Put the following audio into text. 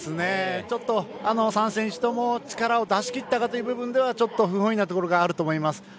ちょっと３選手とも力を出しきったかという部分ではちょっと不本意なところがあると思います。